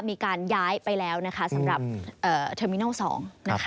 มีการย้ายไปแล้วนะคะสำหรับเทอร์มินัล๒นะคะ